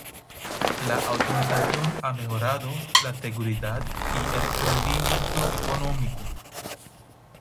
La automatización ha mejorado la seguridad y el rendimiento económico.